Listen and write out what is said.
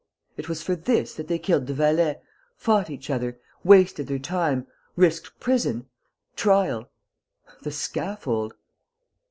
"It was for this that they killed the valet, fought each other, wasted their time, risked prison ... trial ... the scaffold!..."